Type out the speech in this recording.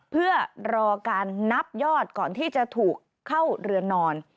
เพื่อรอการนับยอดก่อนที่จะถูกเข้าเรือนนอน